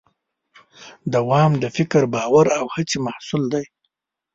دوام د فکر، باور او هڅې محصول دی.